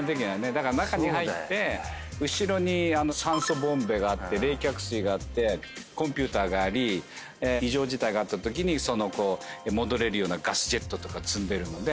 だから中に入って後ろに酸素ボンベがあって冷却水があってコンピューターがあり異常事態があったときに戻れるようなガスジェットとか積んでるので。